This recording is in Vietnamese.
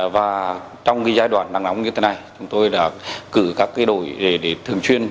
và trong giai đoạn nắng nóng như thế này chúng tôi đã cử các đội để thường chuyên